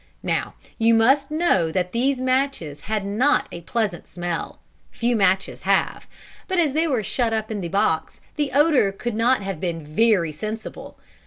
Now, you must know that these matches had not a pleasant smell few matches have; but as they were shut up in the box, the odour could not have been very sensible.